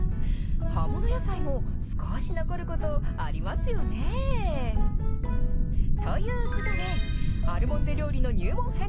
葉物野菜も少し残ることありますよねぇ。ということで、アルモンデ料理の入門編。